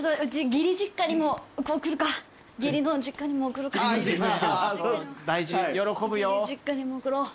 義理の実家にも送ろう。